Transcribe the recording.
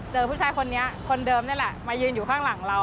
ผู้ชายคนนี้คนเดิมนี่แหละมายืนอยู่ข้างหลังเรา